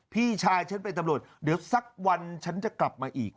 พี่ชายฉันเป็นตำรวจเดี๋ยวสักวันฉันจะกลับมาอีก